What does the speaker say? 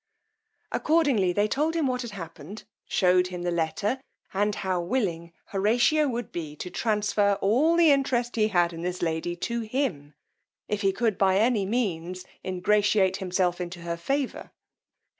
Accordingly they told him what had happened, shewed him the letter, and how willing Horatio would be to transfer all the interest he had in this lady to him, if he could by any means ingratiate himself into her favour.